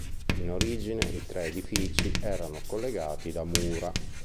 In origine i tre edifici erano collegati da mura.